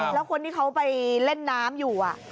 แล้วคนที่เขาไปเล่นน้ำอยู่